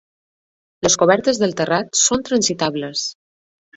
Les cobertes del terrat són transitables.